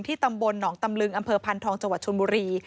ที่ตำบลหน๋องตำลึงอำเภอพันธ์ทองจวัดชุนบุรี